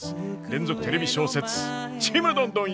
連続テレビ小説「ちむどんどん」